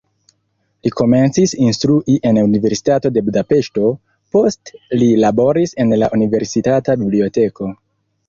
Li komencis instrui en Universitato de Budapeŝto, poste li laboris en la universitata biblioteko.